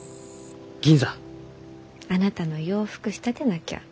あなたの洋服仕立てなきゃ。